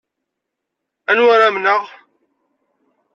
Anwa ara amneɣ?